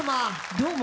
どうも。